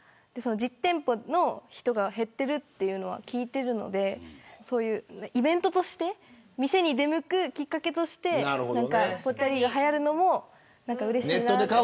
実店舗の人が減っているというのは聞いているのでイベントとして店に出向くきっかけとしてぽっちゃりがはやるのもうれしいなと。